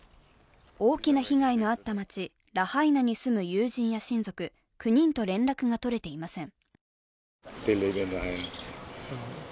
大きな被害のあった町、ラハイナに住む有人や親族９人と連絡が取れていません。